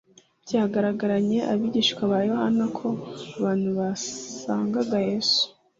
Byagaraganye abigishwa ba Yohana ko abantu basangaga Yesu,